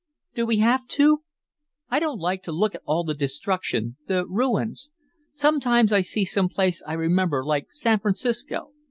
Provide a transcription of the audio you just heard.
Do we have to? I don't like to look at all the destruction, the ruins. Sometimes I see some place I remember, like San Francisco.